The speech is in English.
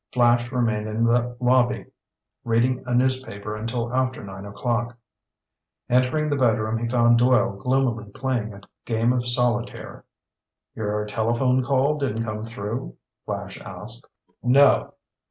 Flash remained in the lobby reading a newspaper until after nine o'clock. Entering the bedroom, he found Doyle gloomily playing a game of solitaire. "Your telephone call didn't come through?" Flash asked. "No!